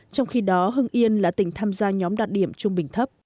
trong khi đó hưng yên là tỉnh tham gia nhóm đạt điểm trung bình thấp